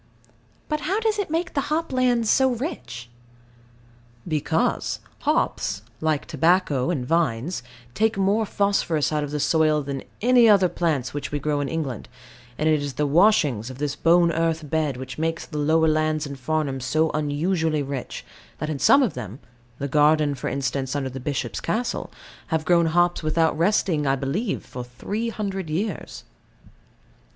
But how does it make the hop lands so rich? Because hops, like tobacco and vines, take more phosphorus out of the soil than any other plants which we grow in England; and it is the washings of this bone earth bed which make the lower lands in Farnham so unusually rich, that in some of them the garden, for instance, under the Bishop's castle have grown hops without resting, I believe, for three hundred years.